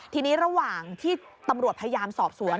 ทีนี้ระหว่างที่ตำรวจพยายามสอบสวน